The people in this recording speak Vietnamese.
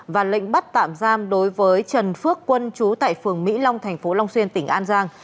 và lệnh bắt tạm giam đối với trần phước quân chú tại phường mỹ long thành phố long xuyên tỉnh an giang